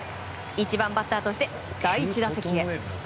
１番バッターとして第１打席へ。